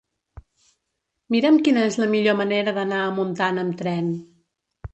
Mira'm quina és la millor manera d'anar a Montant amb tren.